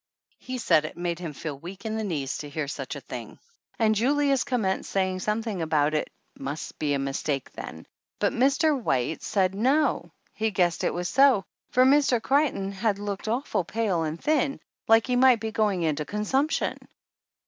He said it made him feel weak in the knees to hear such a thing, and Julius com menced saying something about it must be a mistake then, but Mr. White said no, he guessed 157 THE ANNALS OF ANN it was so, for Mr. Creighton had looked awful pale and thin, like he might be going into con sumption.